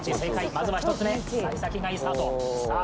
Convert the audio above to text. まずは１つ目さい先がいいスタートさあ